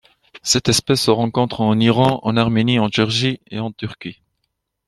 Cette espèce se rencontre en Iran, en Arménie, en Géorgie et en Turquie.